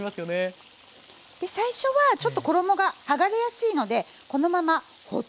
で最初はちょっと衣が剥がれやすいのでこのままほっておきます。